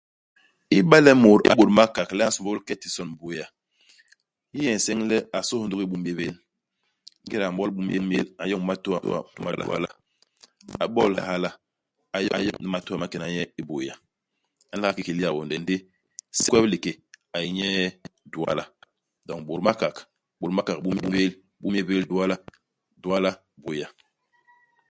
Iba le mut a yé i Bôt-Makak le a nsômbôl ke i tison i Buea, i yé nye nseñ le a sôs ndugi i Boumnyébél. Ingéda a m'bol i Boumnyébél, a n'yoñ matôa ma Duala. A bol i Lihala, a yoñ matôa ma nkena nye i Buea. A nla ki kil i Yaônde ndi sem-kwep liké a yé nye i Duala. Doñ Bôt-Makak. Bôt-Makak Boumnyébél. Boumnyébél Duala. Duala Buéa